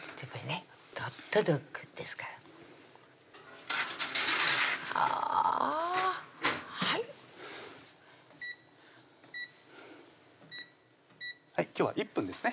「ホットドッグ」ですからはぁはい今日は１分ですね